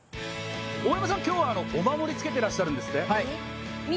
大山さん、今日はお守りつけてらっしゃるんですって？